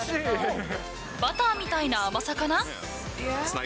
バターみたいな甘さかな。